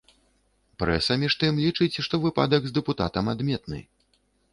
Прэса, між тым, лічыць, што выпадак з дэпутатам адметны.